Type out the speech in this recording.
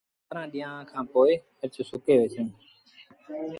ڏآه جآݩ ٻآهرآݩ ڏيݩهآݩ کآݩ پو مرچ سُڪي وهيݩ دآ